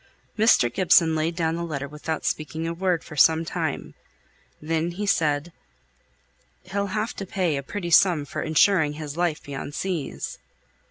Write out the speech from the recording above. Mr. Gibson laid down the letter without speaking a word for some time; then he said, "He'll have to pay a pretty sum for insuring his life beyond seas."